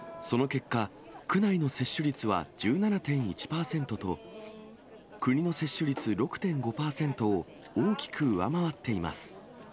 その結果、区内の接種率は１７．１％と、国の接種率６．５％を大きく上回っています。